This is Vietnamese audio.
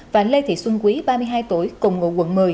và lê thị xuân quý ba mươi hai tuổi cùng ngụ quận một mươi